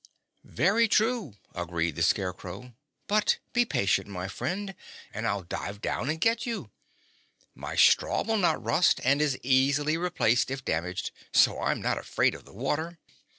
"Very true," agreed the Scarecrow; "but be patient, my friend, and I'll dive down and get you. My straw will not rust, and is easily replaced, if damaged, so I'm not afraid of the water."